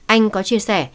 anh có chia sẻ